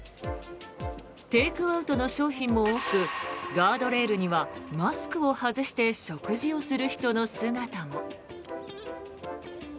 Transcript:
テイクアウトの商品も多くガードレールにはマスクを外して食事をする人の姿も。